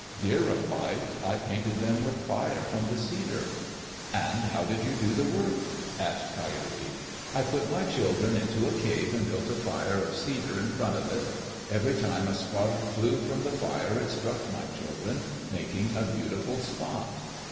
Deer replied, "I painted them with fire from the cedar." "And how did you do the work?" asked Coyote. "I put my children into a cave and built a fire of cedar in front of it. Every time a spark flew from the fire it struck my children, making a beautiful spot."